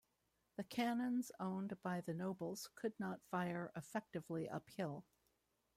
The cannons owned by the nobles could not fire effectively uphill.